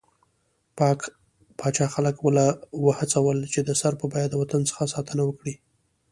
پاچا خلک له وهڅول، چې د سر په بيه د وطن څخه ساتنه وکړي.